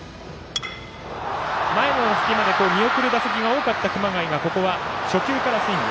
前の打席まで見送る打席が多かった熊谷が初球からスイング。